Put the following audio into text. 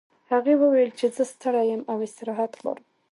هغې وویل چې زه ستړې یم او استراحت غواړم